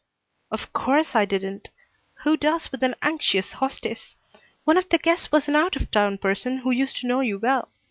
"Of course I didn't. Who does with an anxious hostess? One of the guests was an out of town person who used to know you well.